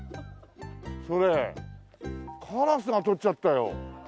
それカラスが取っちゃったよ。